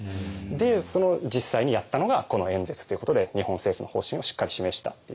で実際にやったのがこの演説っていうことで日本政府の方針をしっかり示したっていう。